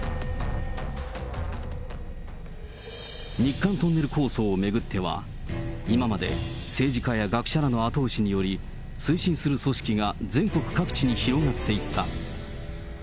日韓トンネル構想を巡っては、今まで政治家や学者らの後押しによる推進する組織が全国各地に広がっていった。